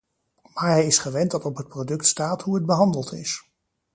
Maar hij is gewend dat op het product staat hoe het behandeld is.